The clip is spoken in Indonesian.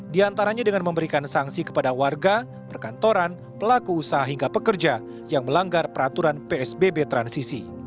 di antaranya dengan memberikan sanksi kepada warga perkantoran pelaku usaha hingga pekerja yang melanggar peraturan psbb transisi